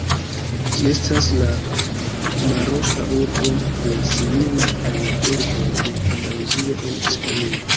Ĝi estas la maroka urbo plej simila al la urboj de Andaluzio en Hispanio.